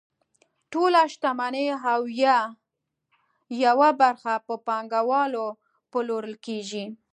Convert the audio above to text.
ټوله شتمني او یا یوه برخه په پانګوالو پلورل کیږي.